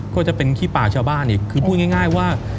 ก็จะเป็นขี้ปากชาวบ้านอีกคือพูดง่ายว่า